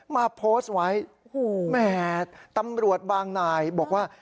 มาโพสต์ไว้แหมตำรวจบางนายบอกว่า